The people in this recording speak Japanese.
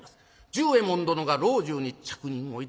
重右衛門殿が老中に着任をいたしました。